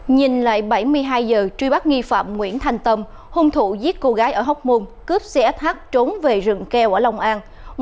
nhìn lại bảy mươi hai giờ truy bắt nghi phạm nguyễn thanh tâm hung thủ giết cô gái ở hóc môn cướp xe sh trốn về rừng keo ở long an